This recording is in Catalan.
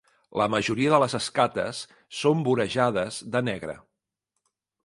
La majoria de les escates són vorejades de negre.